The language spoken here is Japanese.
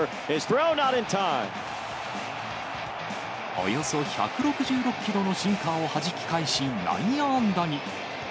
およそ１６６キロのシンカーをはじき返し、内野安打に。